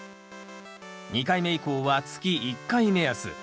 ２回目以降は月１回目安。